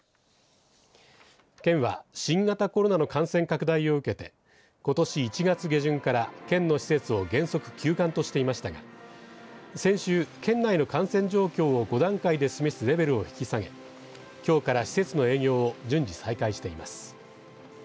県は新型コロナの感染拡大を受けて、ことし１月下旬から県の施設を原則休館としていましたが先週、県内の感染状況を５段階で示すレベルを引き下げきょうから施設の営業を順次、再開しています。